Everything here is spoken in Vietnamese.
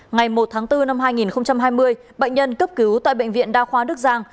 ngày một tháng bốn năm hai nghìn hai mươi bệnh nhân cấp cứu tại bệnh viện đa khoa đức giang